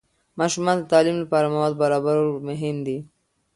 ماشومان ته د تعلیم لپاره مواد برابرول مهم دي.